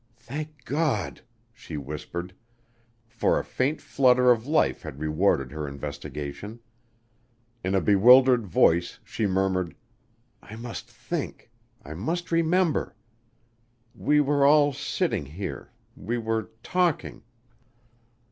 "Thank God," she whispered, for a faint flutter of life had rewarded her investigation. In a bewildered voice she murmured: "I must think. I must remember! We were all sitting here we were talking."